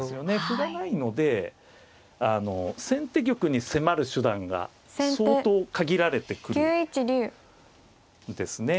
歩がないので先手玉に迫る手段が相当限られてくるんですね。